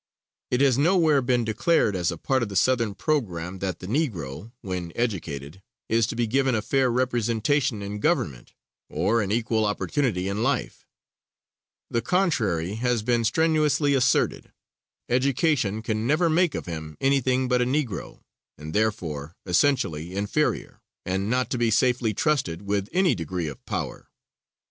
It has nowhere been declared as a part of the Southern program that the Negro, when educated, is to be given a fair representation in government or an equal opportunity in life; the contrary has been strenuously asserted; education can never make of him anything but a Negro, and, therefore, essentially inferior, and not to be safely trusted with any degree of power.